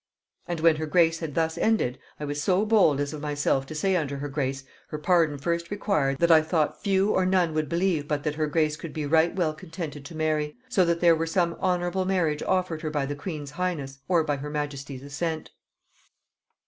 "And when her grace had thus ended, I was so bold as of myself to say unto her grace, her pardon first required, that I thought few or none would believe but that her grace could be right well contented to marry; so that there were some honorable marriage offered her by the queen's highness, or by her majesty's assent.